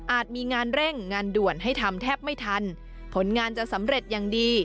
มีงานเร่งงานด่วนให้ทำแทบไม่ทันผลงานจะสำเร็จอย่างดี